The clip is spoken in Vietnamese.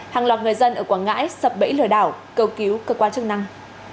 hàng loạt người dân ở quảng ngãi sập bẫy lừa đảo cầu cứu cơ quan chức năng